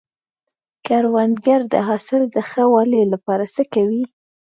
کروندګر د حاصل د ښه والي لپاره هڅې کوي